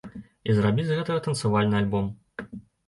І зрабіць з гэтага танцавальны альбом.